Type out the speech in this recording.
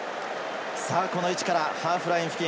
この位置からハーフライン付近。